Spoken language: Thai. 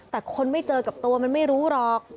แต่คนไม่เจอกับตัวมันไม่รู้หรอก